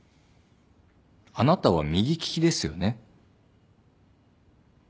あなたは右利きですよね。